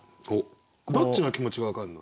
どっちの気持ちが分かるの？